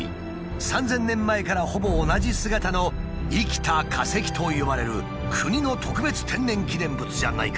３，０００年前からほぼ同じ姿の「生きた化石」と呼ばれる国の特別天然記念物じゃないか。